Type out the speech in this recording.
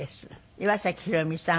岩崎宏美さん